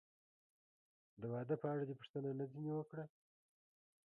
د واده په اړه دې پوښتنه نه ځنې وکړه؟